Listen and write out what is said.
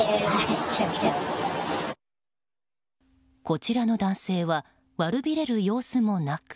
こちらの男性は悪びれる様子もなく。